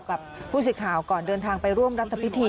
บอกกับผู้สิทธิ์ข่าวก่อนเดินทางไปร่วมรับทฤพธิ